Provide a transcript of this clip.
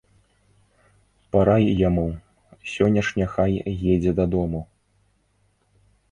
Парай яму, сёння ж няхай едзе дадому.